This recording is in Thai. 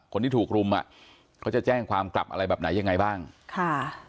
คนที่ถูกรุมอ่ะเขาจะแจ้งความกลับอะไรแบบไหนยังไงบ้างค่ะ